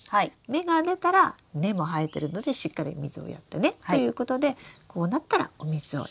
芽が出たら根も生えてるのでしっかりお水をやってねということでこうなったらお水をやってください。